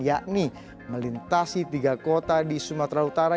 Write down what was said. yakni melintasi tiga kota di sumatera utara